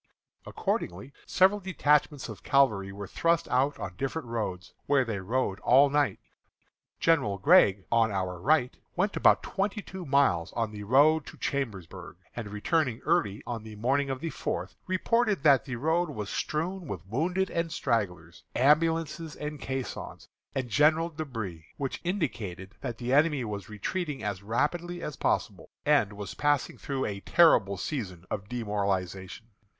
Accordingly, several detachments of cavalry were thrust out on different roads, where they rode all night. General Gregg, on our right, went about twenty two miles on the road to Chambersburg, and returning early on the morning of the fourth, reported that the road was strewn with wounded and stragglers, ambulances and caissons, and general débris, which indicated that the enemy was retreating as rapidly as possible, and was passing through a terrible season of demoralization.